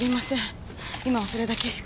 今はそれだけしか。